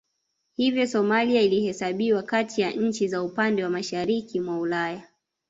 Hivyo Somalia ilihesabiwa kati ya nchi za upande wa mashariki mwa Ulaya